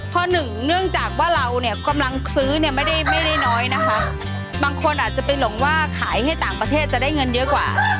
พอหนึ่งเนื่องจากว่าเราเนี่ยกำลังซื้อเนี่ยไม่ได้น้อยนะคะบางคนอาจจะไปหลงว่าขายให้ต่างประเทศจะได้เงินเยอะกว่า